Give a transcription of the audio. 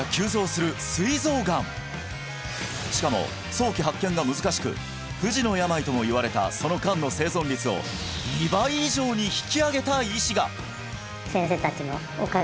しかも早期発見が難しく不治の病ともいわれたそのがんの生存率を２倍以上に引き上げた医師が！